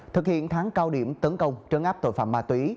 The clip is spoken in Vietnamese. thực hiện tháng cao điểm tấn công trấn áp tội phạm ma túy